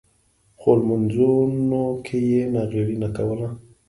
خو لمونځونو کې یې ناغېړي نه کوله.